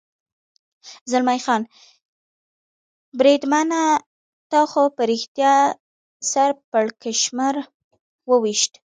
زلمی خان: بریدمنه، تا خو په رښتیا سر پړکمشر و وېشت.